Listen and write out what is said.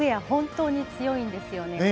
本当に強いんですよね。